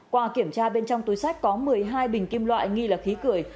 qua kiểm tra bên trong túi sách có một mươi hai bình kim loại nghi là khí cười